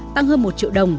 tăng hơn một triệu đồng